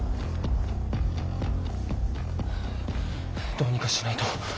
どうにかしないと。